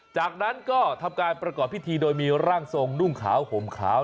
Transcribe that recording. จากนั้นก็ทำการประกอบพิธีโดยมีร่างทรงนุ่งขาวห่มขาว